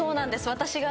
私が。